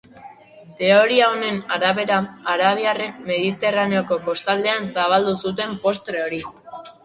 Teoria honen arabera, arabiarrek Mediterraneoko kostaldean zabaldu zuten postre hori.